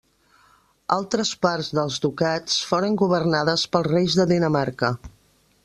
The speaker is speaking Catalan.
Altres parts dels ducats foren governades pels reis de Dinamarca.